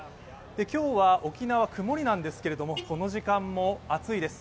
今日は沖縄曇りなんですけれども、この時間も暑いです。